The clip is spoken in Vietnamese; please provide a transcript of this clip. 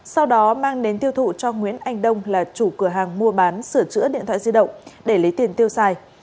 sau đó mang đến tiêu thụ cho nguyễn anh đông là chủ cửa hàng mua bán sửa chữa điện thoại di động để lấy tiền tiêu xài